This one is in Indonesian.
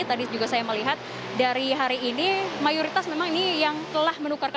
tadi juga saya melihat dari hari ini mayoritas memang ini yang telah menukar